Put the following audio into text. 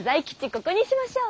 ここにしましょう。